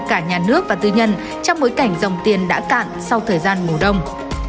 cả nhà nước và tư nhân trong bối cảnh dòng tiền đã cạn sau thời gian ngủ đông